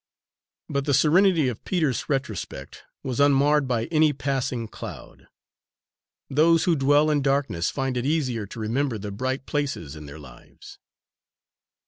But the serenity of Peter's retrospect was unmarred by any passing cloud. Those who dwell in darkness find it easier to remember the bright places in their lives.